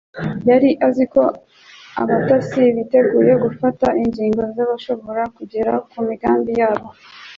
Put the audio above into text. Yari azi ko abatasi biteguye gufata ingingo zabashoboza kugera ku migambi yabo.